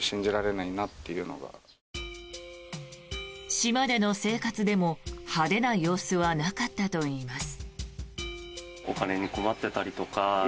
島での生活でも、派手な様子はなかったといいます。